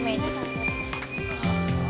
mereka sangat baik